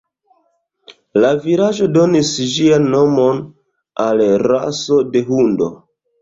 La vilaĝo donis ĝian nomon al raso de hundo.